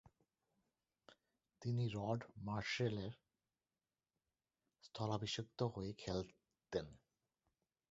তিনি রড মার্শের স্থলাভিষিক্ত হয়ে খেলতেন।